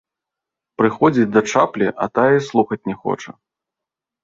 Прыходзіць да чаплі, а тая і слухаць не хоча.